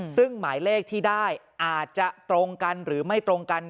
ซึ่งหมายเลขที่ได้อาจจะตรงกันหรือไม่ตรงกัน